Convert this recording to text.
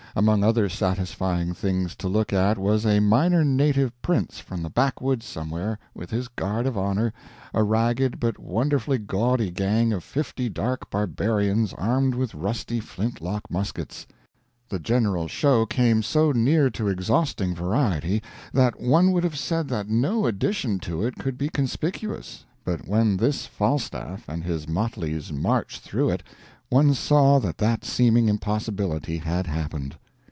Among other satisfying things to look at was a minor native prince from the backwoods somewhere, with his guard of honor, a ragged but wonderfully gaudy gang of fifty dark barbarians armed with rusty flint lock muskets. The general show came so near to exhausting variety that one would have said that no addition to it could be conspicuous, but when this Falstaff and his motleys marched through it one saw that that seeming impossibility had happened.